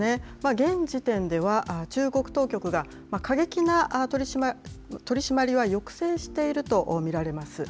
現時点では、中国当局が過激な取締りは抑制していると見られます。